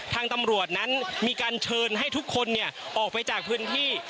ทางตำรวจนั้นมีการเชิญให้ทุกคนออกไปจากพื้นที่